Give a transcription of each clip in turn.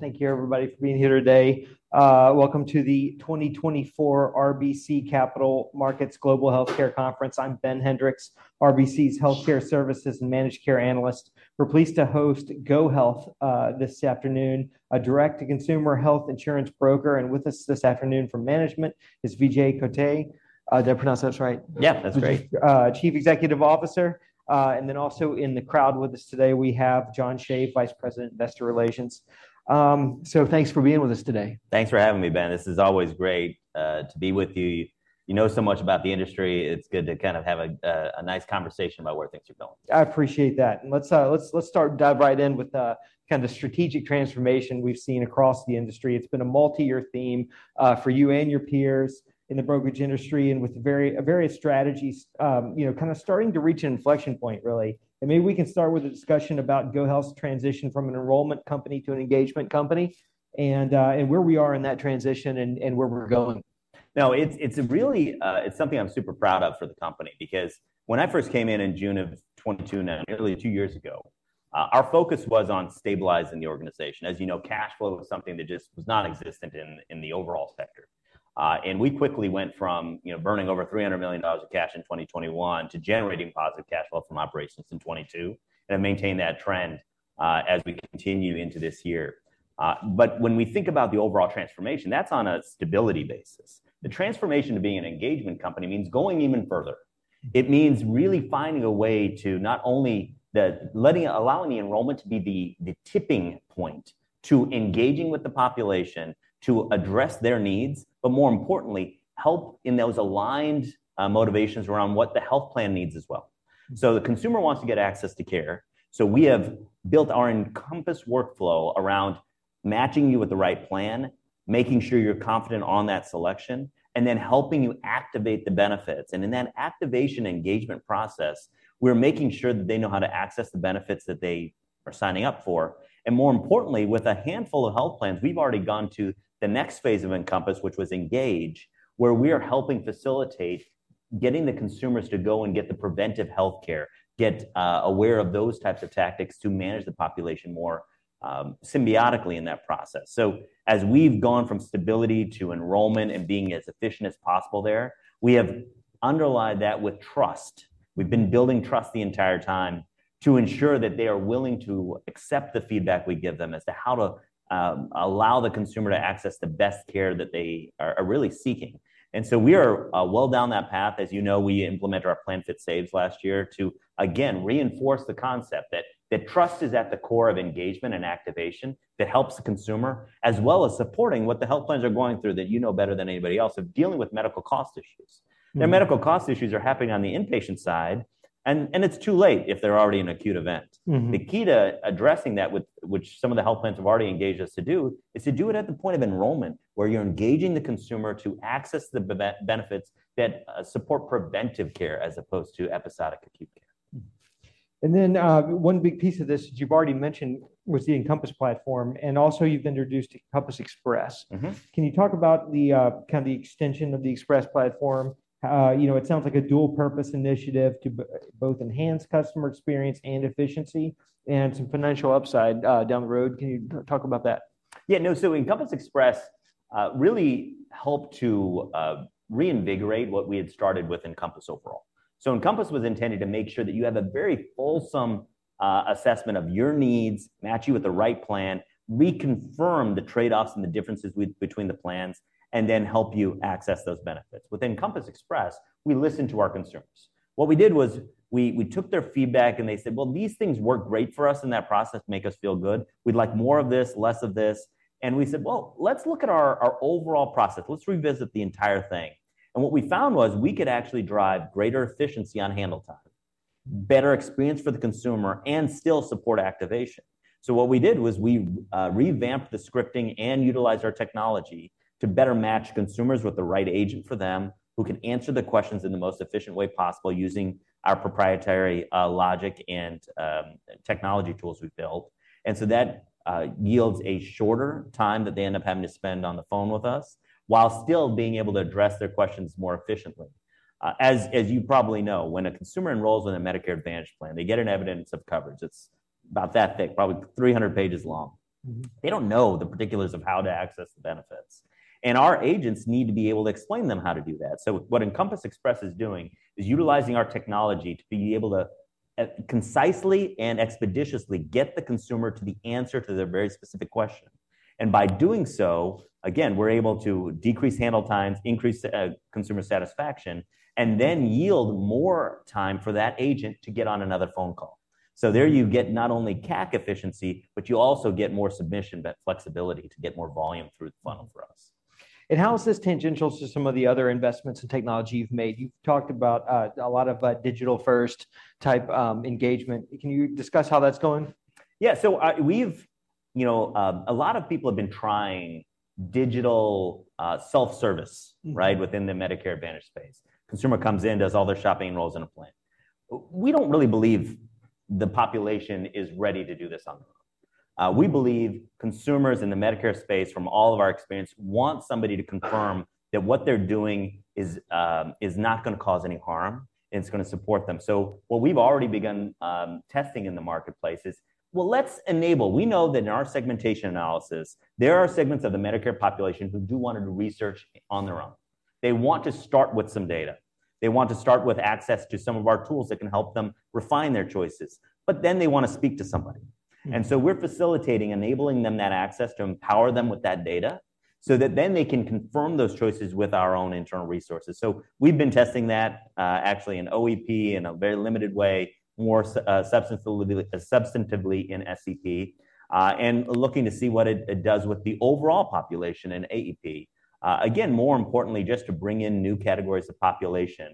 Thank you, everybody, for being here today. Welcome to the 2024 RBC Capital Markets Global Healthcare Conference. I'm Ben Hendrix, RBC's Healthcare Services and Managed Care Analyst. We're pleased to host GoHealth this afternoon, a direct-to-consumer health insurance broker. With us this afternoon from management is Vijay Kotte, did I pronounce that right? Yeah, that's great. Chief Executive Officer. Then also in the crowd with us today, we have John Shave, Vice President, Investor Relations. Thanks for being with us today. Thanks for having me, Ben. This is always great to be with you. You know so much about the industry. It's good to kind of have a nice conversation about where things are going. I appreciate that. Let's start dive right in with kind of the strategic transformation we've seen across the industry. It's been a multi-year theme for you and your peers in the brokerage industry and with various strategies kind of starting to reach an inflection point, really. Maybe we can start with a discussion about GoHealth's transition from an enrollment company to an engagement company and where we are in that transition and where we're going. Now, it's really something I'm super proud of for the company because when I first came in in June of 2022, now nearly two years ago, our focus was on stabilizing the organization. As you know, cash flow was something that just was nonexistent in the overall sector. And we quickly went from burning over $300 million of cash in 2021 to generating positive cash flow from operations in 2022 and have maintained that trend as we continue into this year. But when we think about the overall transformation, that's on a stability basis. The transformation to being an engagement company means going even further. It means really finding a way to not only allowing the enrollment to be the tipping point to engaging with the population to address their needs, but more importantly, help in those aligned motivations around what the health plan needs as well. The consumer wants to get access to care. We have built our Encompass workflow around matching you with the right plan, making sure you're confident on that selection, and then helping you activate the benefits. In that activation engagement process, we're making sure that they know how to access the benefits that they are signing up for. More importantly, with a handful of health plans, we've already gone to the next phase of Encompass, which was engage, where we are helping facilitate getting the consumers to go and get the preventive healthcare, get aware of those types of tactics to manage the population more symbiotically in that process. As we've gone from stability to enrollment and being as efficient as possible there, we have underlined that with trust. We've been building trust the entire time to ensure that they are willing to accept the feedback we give them as to how to allow the consumer to access the best care that they are really seeking. And so we are well down that path. As you know, we implemented our Plan Fit saves last year to, again, reinforce the concept that trust is at the core of engagement and activation that helps the consumer, as well as supporting what the health plans are going through that you know better than anybody else of dealing with medical cost issues. Now, medical cost issues are happening on the inpatient side, and it's too late if they're already in an acute event. The key to addressing that, which some of the health plans have already engaged us to do, is to do it at the point of enrollment where you're engaging the consumer to access the benefits that support preventive care as opposed to episodic acute care. And then one big piece of this that you've already mentioned was the Encompass platform. And also, you've introduced Encompass Express. Can you talk about kind of the extension of the Express platform? It sounds like a dual-purpose initiative to both enhance customer experience and efficiency and some financial upside down the road. Can you talk about that? Yeah. No, so Encompass Express really helped to reinvigorate what we had started with Encompass overall. So Encompass was intended to make sure that you have a very fulsome assessment of your needs, match you with the right plan, reconfirm the trade-offs and the differences between the plans, and then help you access those benefits. With Encompass Express, we listened to our concerns. What we did was we took their feedback, and they said, "Well, these things work great for us in that process. Make us feel good. We'd like more of this, less of this." And we said, "Well, let's look at our overall process. Let's revisit the entire thing." And what we found was we could actually drive greater efficiency on handle time, better experience for the consumer, and still support activation. So what we did was we revamped the scripting and utilized our technology to better match consumers with the right agent for them who can answer the questions in the most efficient way possible using our proprietary logic and technology tools we've built. And so that yields a shorter time that they end up having to spend on the phone with us while still being able to address their questions more efficiently. As you probably know, when a consumer enrolls in a Medicare Advantage plan, they get an Evidence of Coverage. It's about that thick, probably 300 pages long. They don't know the particulars of how to access the benefits. And our agents need to be able to explain them how to do that. What Encompass Express is doing is utilizing our technology to be able to concisely and expeditiously get the consumer to the answer to their very specific question. By doing so, again, we're able to decrease handle times, increase consumer satisfaction, and then yield more time for that agent to get on another phone call. There you get not only CAC efficiency, but you also get more submission flexibility to get more volume through the funnel for us. How is this tangential to some of the other investments and technology you've made? You've talked about a lot of digital-first type engagement. Can you discuss how that's going? Yeah. So a lot of people have been trying digital self-service, right, within the Medicare Advantage space. Consumer comes in, does all their shopping, enrolls in a plan. We don't really believe the population is ready to do this on their own. We believe consumers in the Medicare space, from all of our experience, want somebody to confirm that what they're doing is not going to cause any harm, and it's going to support them. So what we've already begun testing in the marketplace is, well, let's enable. We know that in our segmentation analysis, there are segments of the Medicare population who do want to do research on their own. They want to start with some data. They want to start with access to some of our tools that can help them refine their choices. But then they want to speak to somebody. And so we're facilitating, enabling them that access to empower them with that data so that then they can confirm those choices with our own internal resources. So we've been testing that, actually, in OEP in a very limited way, more substantively in SEP, and looking to see what it does with the overall population in AEP. Again, more importantly, just to bring in new categories of population,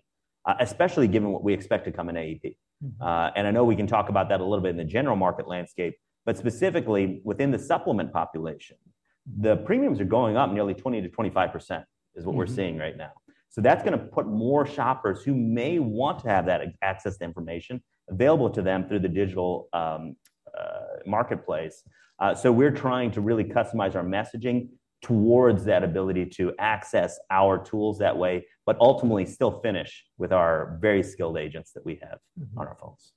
especially given what we expect to come in AEP. And I know we can talk about that a little bit in the general market landscape, but specifically within the supplement population, the premiums are going up nearly 20%-25% is what we're seeing right now. So that's going to put more shoppers who may want to have that access to information available to them through the digital marketplace. We're trying to really customize our messaging towards that ability to access our tools that way, but ultimately still finish with our very skilled agents that we have on our phones.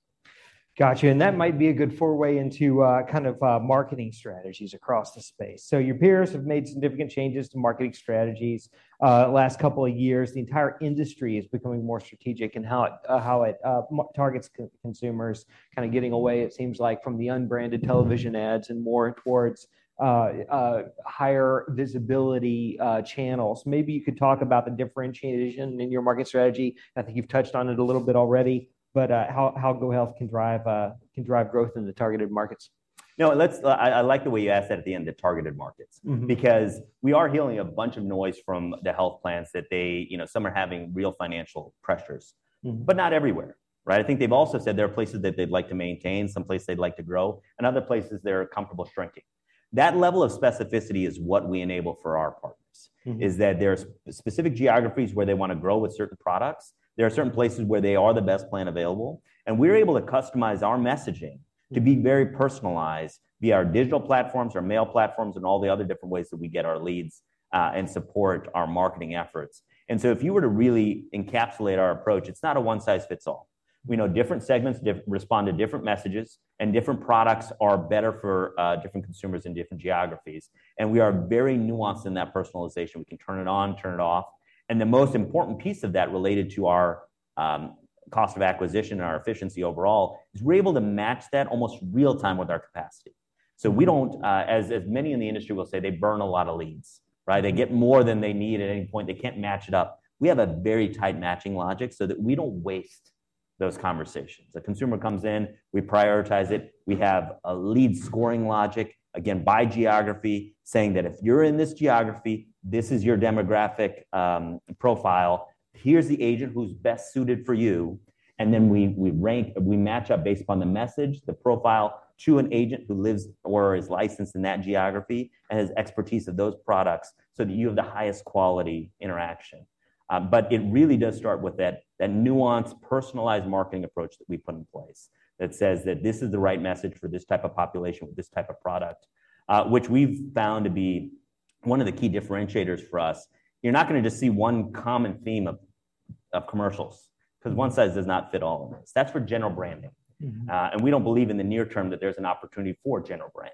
Gotcha. And that might be a good foray into kind of marketing strategies across the space. So your peers have made significant changes to marketing strategies the last couple of years. The entire industry is becoming more strategic in how it targets consumers, kind of getting away, it seems like, from the unbranded television ads and more towards higher visibility channels. Maybe you could talk about the differentiation in your marketing strategy. I think you've touched on it a little bit already, but how GoHealth can drive growth in the targeted markets. No, I like the way you asked that at the end, the targeted markets, because we are hearing a bunch of noise from the health plans that some are having real financial pressures, but not everywhere, right? I think they've also said there are places that they'd like to maintain, some places they'd like to grow, and other places they're comfortable shrinking. That level of specificity is what we enable for our partners, is that there are specific geographies where they want to grow with certain products. There are certain places where they are the best plan available. We're able to customize our messaging to be very personalized via our digital platforms, our mail platforms, and all the other different ways that we get our leads and support our marketing efforts. So if you were to really encapsulate our approach, it's not a one-size-fits-all. We know different segments respond to different messages, and different products are better for different consumers in different geographies. We are very nuanced in that personalization. We can turn it on, turn it off. The most important piece of that related to our cost of acquisition and our efficiency overall is we're able to match that almost real-time with our capacity. As many in the industry will say, they burn a lot of leads, right? They get more than they need at any point. They can't match it up. We have a very tight matching logic so that we don't waste those conversations. A consumer comes in, we prioritize it. We have a lead scoring logic, again, by geography, saying that if you're in this geography, this is your demographic profile, here's the agent who's best suited for you. Then we match up based upon the message, the profile to an agent who lives or is licensed in that geography and has expertise of those products so that you have the highest quality interaction. It really does start with that nuanced, personalized marketing approach that we put in place that says that this is the right message for this type of population with this type of product, which we've found to be one of the key differentiators for us. You're not going to just see one common theme of commercials because one size does not fit all of this. That's for general branding. We don't believe in the near term that there's an opportunity for general brand.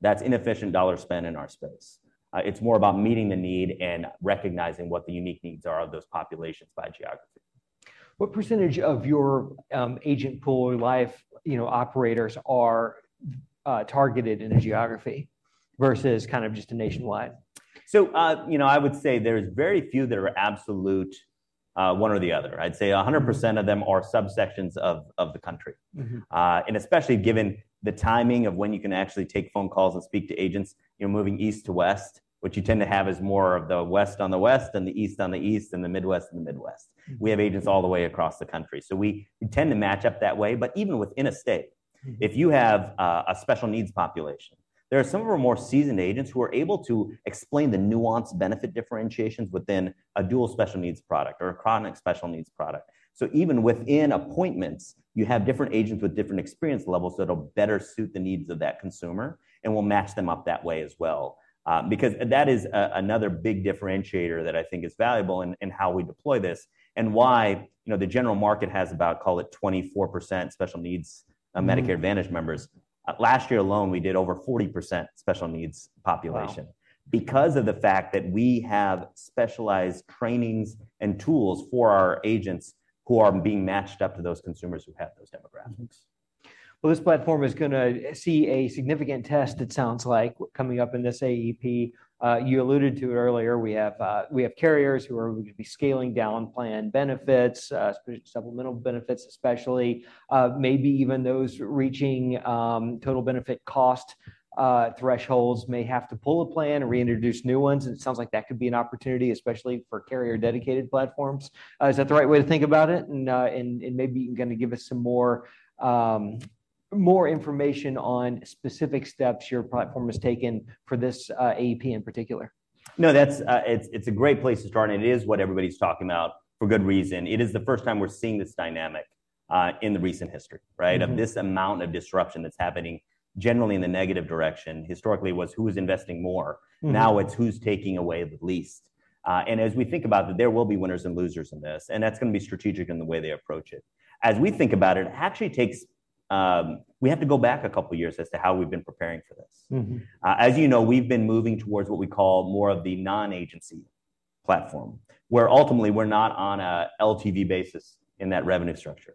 That's inefficient dollar spend in our space. It's more about meeting the need and recognizing what the unique needs are of those populations by geography. What percentage of your agent pool or life operators are targeted in a geography versus kind of just nationwide? So I would say there are very few that are absolute one or the other. I'd say 100% of them are subsections of the country, and especially given the timing of when you can actually take phone calls and speak to agents moving east to west, which you tend to have is more of the west on the west and the east on the east and the midwest and the midwest. We have agents all the way across the country. So we tend to match up that way. But even within a state, if you have a special needs population, there are some of our more seasoned agents who are able to explain the nuanced benefit differentiations within a dual special needs product or a chronic special needs product. So even within appointments, you have different agents with different experience levels that will better suit the needs of that consumer and will match them up that way as well because that is another big differentiator that I think is valuable in how we deploy this and why the general market has about, call it, 24% special needs Medicare Advantage members. Last year alone, we did over 40% special needs population because of the fact that we have specialized trainings and tools for our agents who are being matched up to those consumers who have those demographics. Well, this platform is going to see a significant test, it sounds like, coming up in this AEP. You alluded to it earlier. We have carriers who are going to be scaling down plan benefits, supplemental benefits especially. Maybe even those reaching total benefit cost thresholds may have to pull a plan and reintroduce new ones. It sounds like that could be an opportunity, especially for carrier-dedicated platforms. Is that the right way to think about it? Maybe you can kind of give us more information on specific steps your platform has taken for this AEP in particular. No, it's a great place to start. It is what everybody's talking about for good reason. It is the first time we're seeing this dynamic in the recent history, right, of this amount of disruption that's happening generally in the negative direction. Historically, it was who was investing more. Now it's who's taking away the least. As we think about it, there will be winners and losers in this. That's going to be strategic in the way they approach it. As we think about it, it actually takes we have to go back a couple of years as to how we've been preparing for this. As you know, we've been moving towards what we call more of the non-agency platform, where ultimately we're not on an LTV basis in that revenue structure.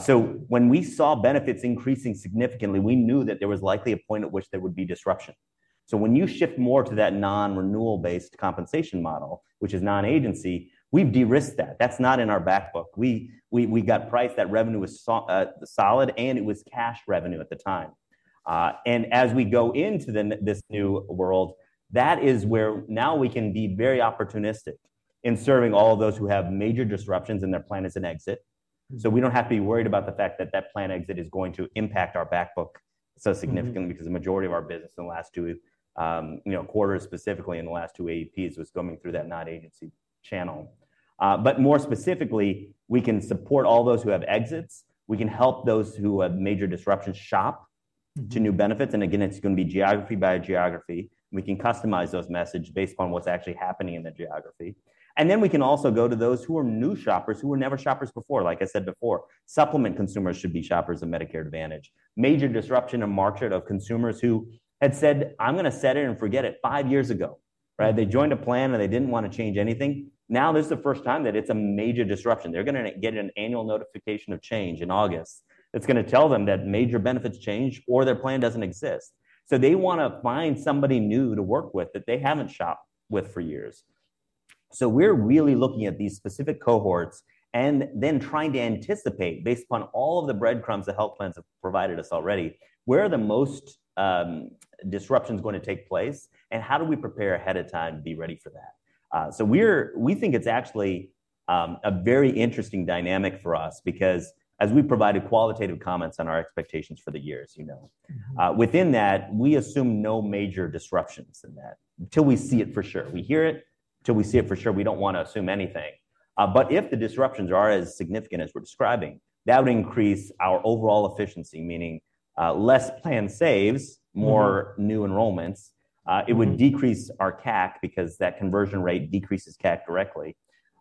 So when we saw benefits increasing significantly, we knew that there was likely a point at which there would be disruption. So when you shift more to that non-renewal-based compensation model, which is non-agency, we've de-risked that. That's not in our backbook. We got priced that revenue was solid, and it was cash revenue at the time. And as we go into this new world, that is where now we can be very opportunistic in serving all of those who have major disruptions and their plan is an exit. So we don't have to be worried about the fact that that plan exit is going to impact our backbook so significantly because the majority of our business in the last two quarters, specifically in the last two AEPs, was going through that non-agency channel. But more specifically, we can support all those who have exits. We can help those who have major disruptions shop to new benefits. And again, it's going to be geography by geography. We can customize those messages based upon what's actually happening in that geography. And then we can also go to those who are new shoppers, who were never shoppers before. Like I said before, supplement consumers should be shoppers of Medicare Advantage. Major disruption in the market of consumers who had said, "I'm going to set it and forget it," five years ago, right? They joined a plan, and they didn't want to change anything. Now this is the first time that it's a major disruption. They're going to get an annual notification of change in August that's going to tell them that major benefits changed or their plan doesn't exist. So they want to find somebody new to work with that they haven't shopped with for years. So we're really looking at these specific cohorts and then trying to anticipate, based upon all of the breadcrumbs the health plans have provided us already, where are the most disruptions going to take place, and how do we prepare ahead of time to be ready for that? So we think it's actually a very interesting dynamic for us because as we provided qualitative comments on our expectations for the years, within that, we assume no major disruptions in that until we see it for sure. We hear it. Until we see it for sure, we don't want to assume anything. But if the disruptions are as significant as we're describing, that would increase our overall efficiency, meaning less plan saves, more new enrollments. It would decrease our CAC because that conversion rate decreases CAC directly.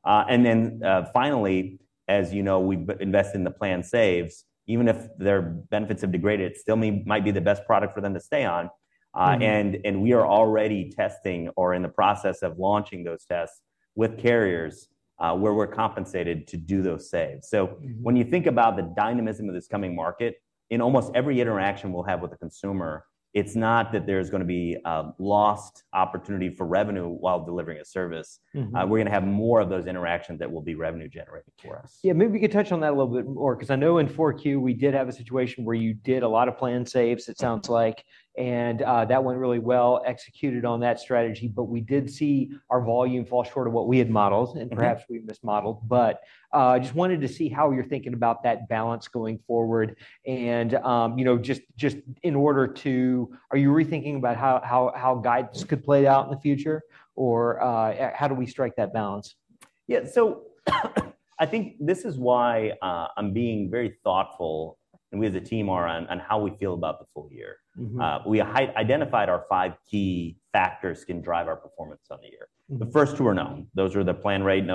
And then finally, as you know, we invest in the plan saves. Even if their benefits have degraded, it still might be the best product for them to stay on. And we are already testing or in the process of launching those tests with carriers where we're compensated to do those saves. So when you think about the dynamism of this coming market, in almost every interaction we'll have with a consumer, it's not that there's going to be lost opportunity for revenue while delivering a service. We're going to have more of those interactions that will be revenue-generating for us. Yeah, maybe we could touch on that a little bit more because I know in 4Q, we did have a situation where you did a lot of plan saves, it sounds like, and that went really well, executed on that strategy. But we did see our volume fall short of what we had modeled, and perhaps we mismodeled. But I just wanted to see how you're thinking about that balance going forward. And just in order to are you rethinking about how guidance could play out in the future, or how do we strike that balance? Yeah. So I think this is why I'm being very thoughtful, and we as a team are, on how we feel about the full year. We identified our five key factors can drive our performance on the year. The first two are known. Those are the plan rate,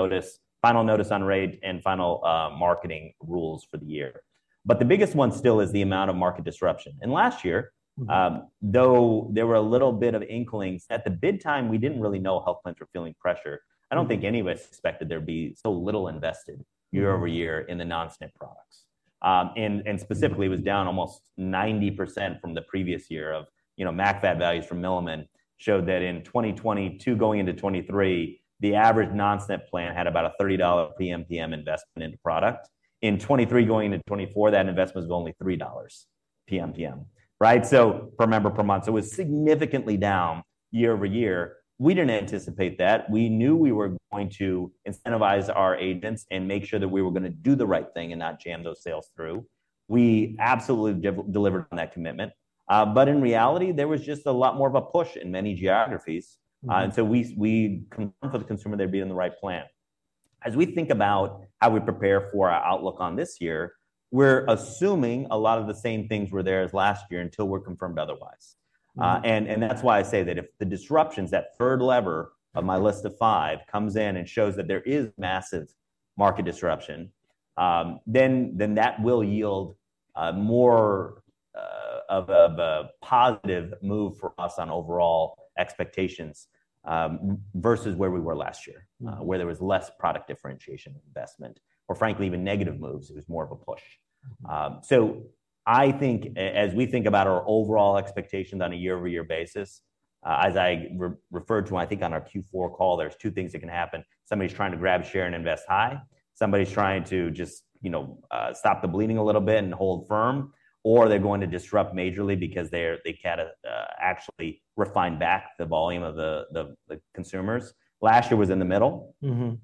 final notice on rate, and final marketing rules for the year. But the biggest one still is the amount of market disruption. And last year, though there were a little bit of inklings, at the bid time, we didn't really know health plans were feeling pressure. I don't think anybody expected there to be so little invested year-over-year in the non-SNP products. And specifically, it was down almost 90% from the previous year. MACVAT values from Milliman showed that in 2022, going into 2023, the average non-SNP plan had about a $30 PMPM investment into product. In 2023, going into 2024, that investment was only $3 PMPM, right? So per member, per month. So it was significantly down year-over-year. We didn't anticipate that. We knew we were going to incentivize our agents and make sure that we were going to do the right thing and not jam those sales through. We absolutely delivered on that commitment. But in reality, there was just a lot more of a push in many geographies. And so we confirmed for the consumer they'd be in the right plan. As we think about how we prepare for our outlook on this year, we're assuming a lot of the same things were there as last year until we're confirmed otherwise. And that's why I say that if the disruptions, that third lever of my list of five, comes in and shows that there is massive market disruption, then that will yield more of a positive move for us on overall expectations versus where we were last year, where there was less product differentiation investment or, frankly, even negative moves. It was more of a push. So I think as we think about our overall expectations on a year-over-year basis, as I referred to, I think, on our Q4 call, there's two things that can happen. Somebody's trying to grab share and invest high. Somebody's trying to just stop the bleeding a little bit and hold firm. Or they're going to disrupt majorly because they can't actually refine back the volume of the consumers. Last year was in the middle,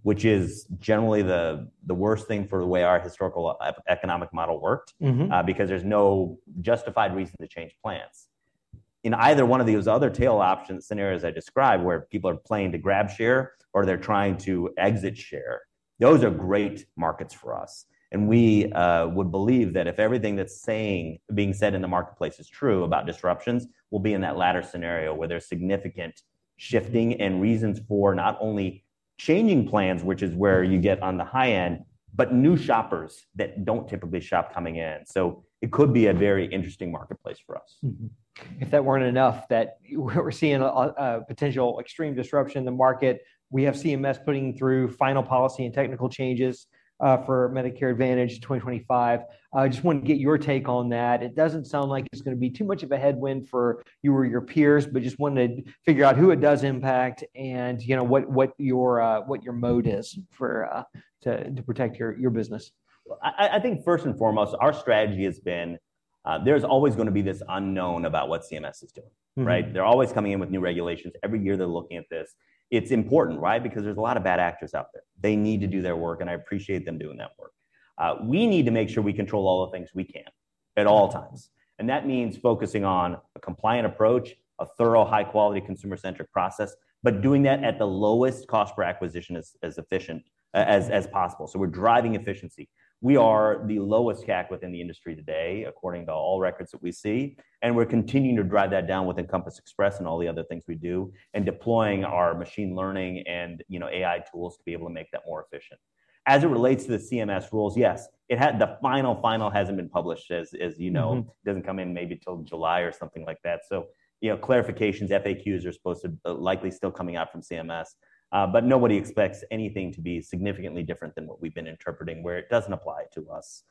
which is generally the worst thing for the way our historical economic model worked because there's no justified reason to change plans. In either one of those other tail option scenarios I described where people are planning to grab share or they're trying to exit share, those are great markets for us. We would believe that if everything that's being said in the marketplace is true about disruptions, we'll be in that latter scenario where there's significant shifting and reasons for not only changing plans, which is where you get on the high end, but new shoppers that don't typically shop coming in. It could be a very interesting marketplace for us. If that weren't enough, that we're seeing a potential extreme disruption in the market. We have CMS putting through final policy and technical changes for Medicare Advantage 2025. I just want to get your take on that. It doesn't sound like it's going to be too much of a headwind for you or your peers, but just wanted to figure out who it does impact and what your mode is to protect your business? I think first and foremost, our strategy has been there's always going to be this unknown about what CMS is doing, right? They're always coming in with new regulations. Every year, they're looking at this. It's important, right, because there's a lot of bad actors out there. They need to do their work, and I appreciate them doing that work. We need to make sure we control all the things we can at all times. That means focusing on a compliant approach, a thorough, high-quality, consumer-centric process, but doing that at the lowest cost per acquisition as efficient as possible. We're driving efficiency. We are the lowest CAC within the industry today, according to all records that we see. We're continuing to drive that down with Encompass Express and all the other things we do and deploying our machine learning and AI tools to be able to make that more efficient. As it relates to the CMS rules, yes, the final, final hasn't been published, as you know. It doesn't come in maybe till July or something like that. So clarifications, FAQs, are likely still coming out from CMS. But nobody expects anything to be significantly different than what we've been interpreting, where it doesn't apply to us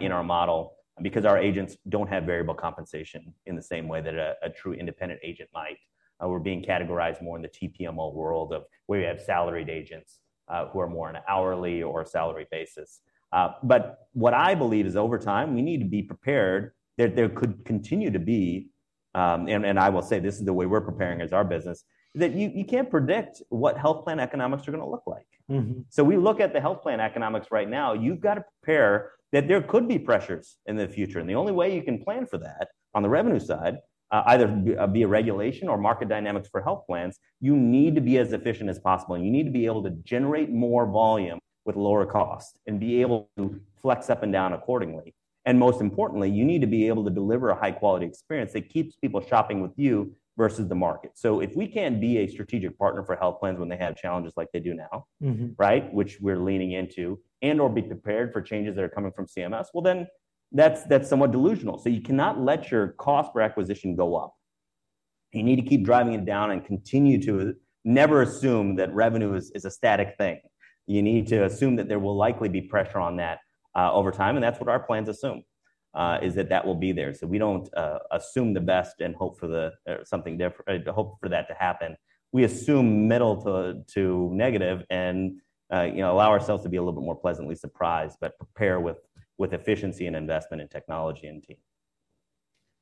in our model because our agents don't have variable compensation in the same way that a true independent agent might. We're being categorized more in the TPMO world of where you have salaried agents who are more on an hourly or a salary basis. But what I believe is over time, we need to be prepared that there could continue to be and I will say this is the way we're preparing as our business, that you can't predict what health plan economics are going to look like. So we look at the health plan economics right now. You've got to prepare that there could be pressures in the future. And the only way you can plan for that on the revenue side, either via regulation or market dynamics for health plans, you need to be as efficient as possible. And you need to be able to generate more volume with lower cost and be able to flex up and down accordingly. And most importantly, you need to be able to deliver a high-quality experience that keeps people shopping with you versus the market. So if we can't be a strategic partner for health plans when they have challenges like they do now, right, which we're leaning into, and/or be prepared for changes that are coming from CMS, well, then that's somewhat delusional. So you cannot let your cost per acquisition go up. You need to keep driving it down and continue to never assume that revenue is a static thing. You need to assume that there will likely be pressure on that over time. And that's what our plans assume, is that that will be there. So we don't assume the best and hope for something different hope for that to happen. We assume middle to negative and allow ourselves to be a little bit more pleasantly surprised but prepare with efficiency and investment in technology and team.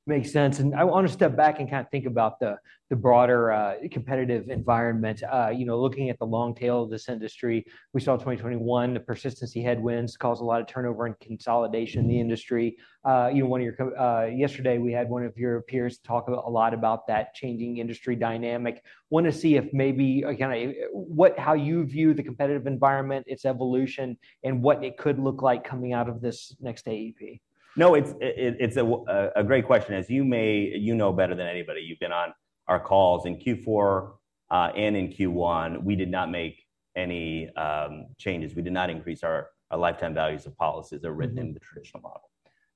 Makes sense. I want to step back and kind of think about the broader competitive environment. Looking at the long tail of this industry, we saw 2021, the persistency headwinds caused a lot of turnover and consolidation in the industry. Yesterday, we had one of your peers talk a lot about that changing industry dynamic. Want to see if maybe kind of how you view the competitive environment, its evolution, and what it could look like coming out of this next AEP? No, it's a great question. As you know better than anybody, you've been on our calls in Q4 and in Q1, we did not make any changes. We did not increase our lifetime values of policies that are written in the traditional model.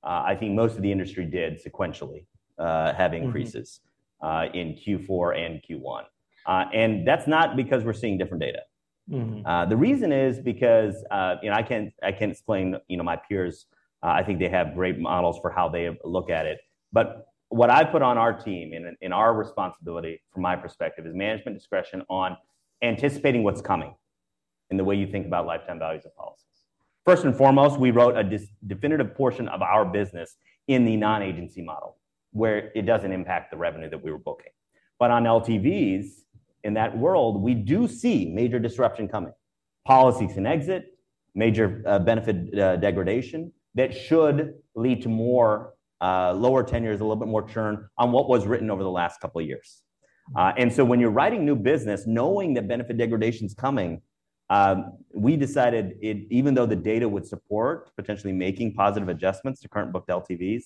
I think most of the industry did sequentially have increases in Q4 and Q1. That's not because we're seeing different data. The reason is because I can't explain my peers. I think they have great models for how they look at it. What I put on our team and in our responsibility, from my perspective, is management discretion on anticipating what's coming and the way you think about lifetime values of policies. First and foremost, we wrote a definitive portion of our business in the non-agency model where it doesn't impact the revenue that we were booking. But on LTVs, in that world, we do see major disruption coming, policies in exit, major benefit degradation that should lead to lower tenures, a little bit more churn on what was written over the last couple of years. And so when you're writing new business, knowing that benefit degradation is coming, we decided even though the data would support potentially making positive adjustments to current booked LTVs,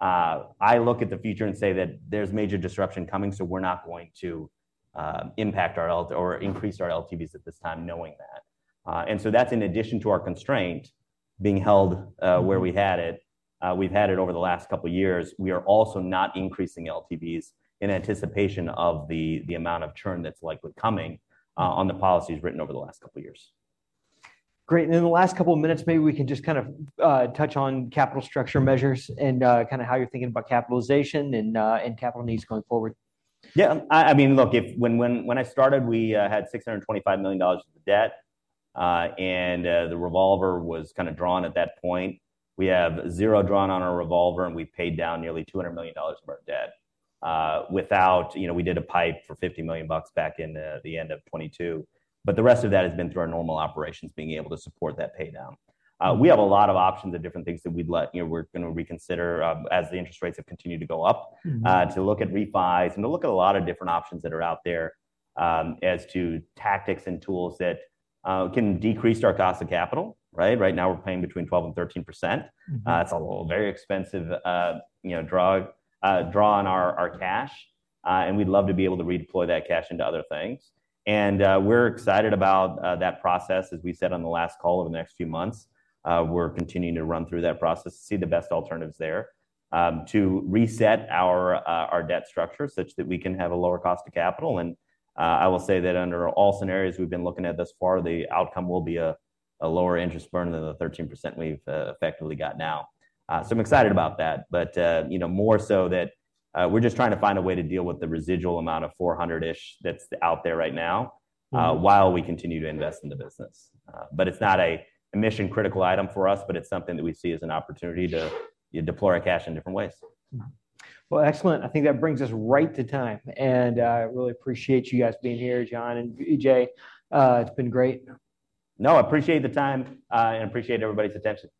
I look at the future and say that there's major disruption coming, so we're not going to impact or increase our LTVs at this time, knowing that. And so that's in addition to our constraint being held where we had it. We've had it over the last couple of years. We are also not increasing LTVs in anticipation of the amount of churn that's likely coming on the policies written over the last couple of years. Great. In the last couple of minutes, maybe we can just kind of touch on capital structure measures and kind of how you're thinking about capitalization and capital needs going forward. Yeah. I mean, look, when I started, we had $625 million of the debt, and the revolver was kind of drawn at that point. We have zero drawn on our revolver, and we've paid down nearly $200 million of our debt without we did a PIPE for $50 million back in the end of 2022. But the rest of that has been through our normal operations, being able to support that paydown. We have a lot of options of different things that we're going to reconsider as the interest rates have continued to go up, to look at refis and to look at a lot of different options that are out there as to tactics and tools that can decrease our cost of capital, right? Right now, we're paying between 12%-13%. That's a very expensive draw on our cash. We'd love to be able to redeploy that cash into other things. We're excited about that process. As we said on the last call over the next few months, we're continuing to run through that process to see the best alternatives there, to reset our debt structure such that we can have a lower cost of capital. I will say that under all scenarios we've been looking at thus far, the outcome will be a lower interest burn than the 13% we've effectively got now. I'm excited about that, but more so that we're just trying to find a way to deal with the residual amount of $400-ish that's out there right now while we continue to invest in the business. It's not a mission-critical item for us, but it's something that we see as an opportunity to deploy our cash in different ways. Well, excellent. I think that brings us right to time. I really appreciate you guys being here, John and Vijay. It's been great. No, I appreciate the time and appreciate everybody's attention.